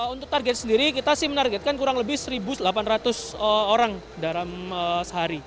untuk target sendiri kita sih menargetkan kurang lebih satu delapan ratus orang dalam sehari